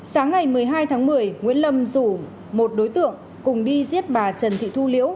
sáng ngày một mươi hai tháng một mươi nguyễn lâm rủ một đối tượng cùng đi giết bà trần thị thu liễu